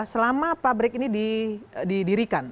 selama pabrik ini didirikan